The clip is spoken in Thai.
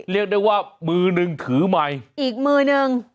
เรียกได้ว่ามือหนึ่งถือใหม่อีกมือหนึ่ง